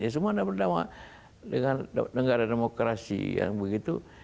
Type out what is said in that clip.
semua dengan negara demokrasi